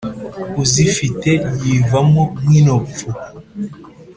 Uzifite yivamo nk'inopfu!"